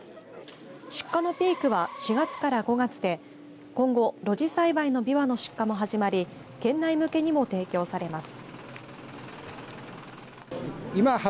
出荷のピークは４月から５月で今後、露地栽培のびわの出荷も始まり県内向けにも提供されます。